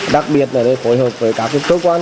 đặc biệt là phối hợp với các cơ quan